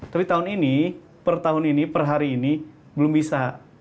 tapi tahun ini per tahun ini per hari ini belum bisa